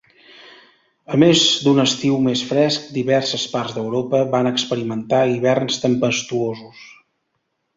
A més d'un estiu més fresc, diverses parts d'Europa van experimentar hiverns tempestuosos.